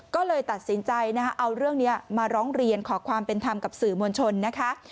ก็เลยตัดสินใจเอาเรื่องนี้มาร้องเรียนขอความเป็นธรรมกับสื่อมวลชนนะคะ